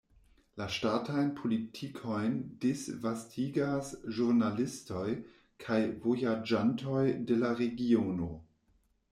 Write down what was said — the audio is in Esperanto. La ŝtatajn politikojn disvastigas ĵurnalistoj kaj vojaĝantoj de la regiono.